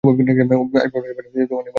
আজ ভবানীচরণের বাড়ি ফিরিতে অনেক বেলা হইল।